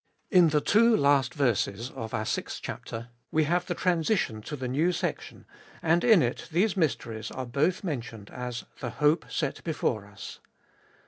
In the two last verses of our sixth chapter we have the transition to the new section, and in it these mysteries are both mentioned as the hope set before us.